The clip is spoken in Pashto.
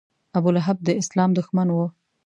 ابولهب د اسلام دښمن و.